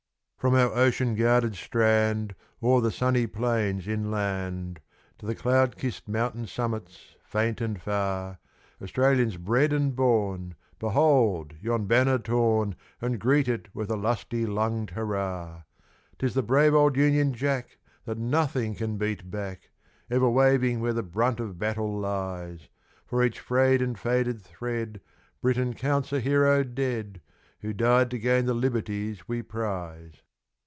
From our ocean guarded strand, O'er the sunny plains inland, To the cloud kissed mountain summits faint and far, Australians bred and born, Behold yon banner torn, And greet it with a lusty lunged hurrah! 'Tis the brave old Union Jack, That nothing can beat back Ever waving where the brunt of battle lies; For each frayed and faded thread Britain counts a hero dead, Who died to gain the liberties we prize.